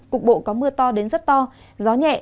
cục bộ có mưa to đến rất to gió nhẹ